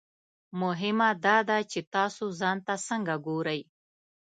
مهمه دا ده چې تاسو ځان ته څنګه ګورئ.